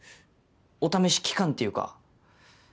お試し期間っていうか。